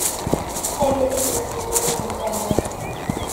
Abrid newwi imi nedderɣel.